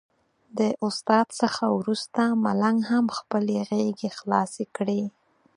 د استاد څخه وروسته ملنګ هم خپلې غېږې خلاصې کړې.